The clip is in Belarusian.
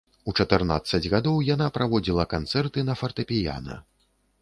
У чатырнаццаць гадоў яна праводзіла канцэрты на фартэпіяна.